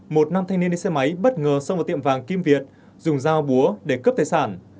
một nam thanh niên đi xe máy bất ngờ xông vào tiệm vàng kim việt dùng dao búa để cướp tài sản